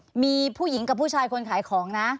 มีผู้หญิงกับผู้ชายคนขายของนะ